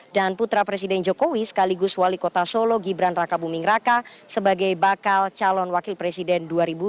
dan putra presiden jokowi sekaligus wali kota solo gibran raka buming raka sebagai bakal calon wakil presiden dua ribu dua puluh empat